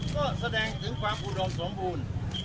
ก็แสดงถึงความอุดมสมบูรณ์